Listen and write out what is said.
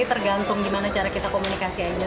tergantung cara kita komunikasi saja